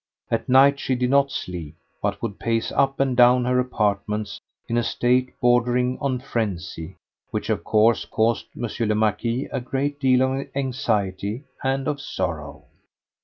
At night she did not sleep, but would pace up and down her apartments in a state bordering on frenzy, which of course caused M. le Marquis a great deal of anxiety and of sorrow.